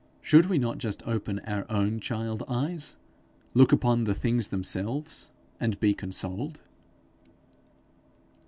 Should we not just open our own child eyes, look upon the things themselves, and be consoled?